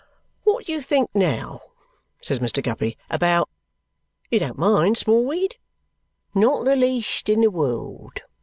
"What do you think, now," says Mr. Guppy, "about you don't mind Smallweed?" "Not the least in the world.